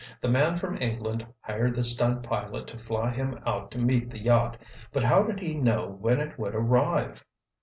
"The man from England hired the stunt pilot to fly him out to meet the yacht—but how did he know when it would arrive?"